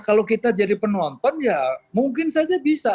kalau kita jadi penonton ya mungkin saja bisa